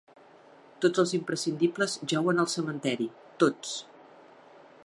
Tots els imprescindibles jauen al cementeri. Tots.